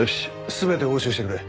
全て押収してくれ。